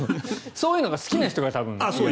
そういうのが好きな人が多分。